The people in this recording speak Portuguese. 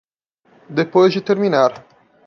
Depois de terminar